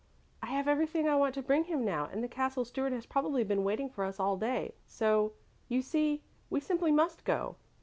"I have everything I want to bring him now, and the Castle Steward has probably been waiting for us all day, so, you see, we simply must go.